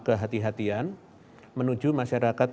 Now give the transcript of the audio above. kehatian menuju masyarakat